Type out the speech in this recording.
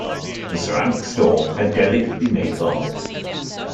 The ceramics store had delicately made vases.